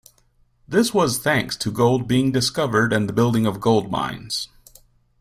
This was thanks to gold being discovered and the building of gold mines.